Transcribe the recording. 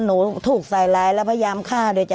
หนูถูกใส่ร้ายแล้วพยายามฆ่าโดยจ้